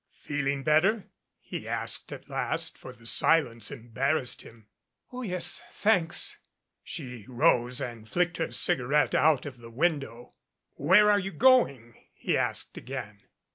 "Feeling better?" he asked at last, for the silence embarrassed him. "Oh, yes, thanks." She rose and flicked her cigarette out of the window. "Where are you going?" he asked again.